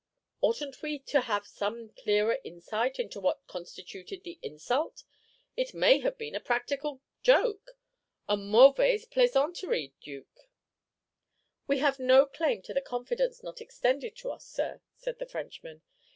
"Oughtn't we to have some clearer insight into what constituted the insult? It may have been a practical joke, a mauvaise plaisanterie, Duke." "We have no claim to any confidence not extended to us, sir," said the Frenchman.